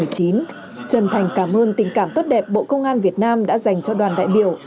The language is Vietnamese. trần thành cảm ơn tình cảm tốt đẹp bộ công an việt nam đã dành cho đoàn đại biểu